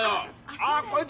あこいつ。